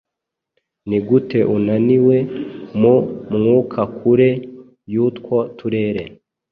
Niguteunaniwe mu mwukakure yutwo turere